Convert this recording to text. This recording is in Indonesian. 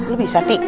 kok bisa tih